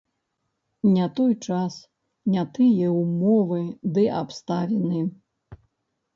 Не той час, не тыя ўмовы ды абставіны.